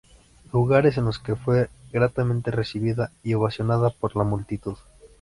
Lugares en los que fue gratamente recibida y ovacionada por la multitud.